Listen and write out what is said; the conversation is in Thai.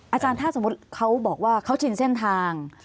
อาจารย์ถ้าสมมุติเขาบอกว่าเขาชินเส้นทาง